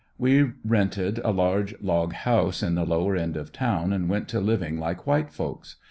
We rented a large log house in the lower end of town and went to living like white folks.